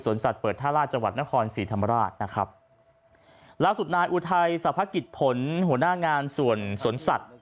สัตว์เปิดท่าราชจังหวัดนครศรีธรรมราชนะครับล่าสุดนายอุทัยสรรพกิจผลหัวหน้างานส่วนสวนสัตว์